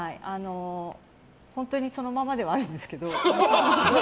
本当にそのままではあるんですけど。